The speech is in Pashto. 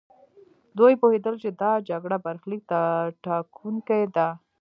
دوی پوهېدل چې دا جګړه برخليک ټاکونکې ده.